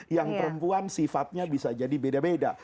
yang perempuan sifatnya bisa jadi beda beda